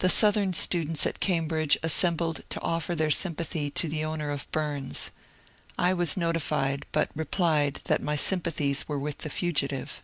The Southern students at Cambridge assembled to offer their sympathy to the owner of Bums. I was notified, but replied that my sympathies were with the fugitive.